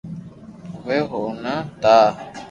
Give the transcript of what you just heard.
اووي ھوتا تا